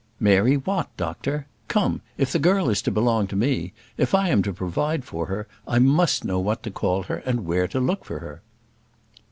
"Mary what, doctor? Come, if the girl is to belong to me, if I am to provide for her, I must know what to call her, and where to look for her."